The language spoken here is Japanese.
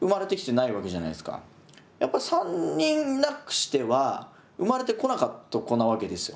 やっぱ３人なくしては生まれてこなかった子なわけですよ。